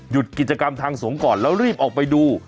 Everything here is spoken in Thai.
กิจกรรมทางสงฆ์ก่อนแล้วรีบออกไปดู